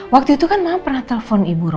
waktu itu kan mama pernah telepon ibu ro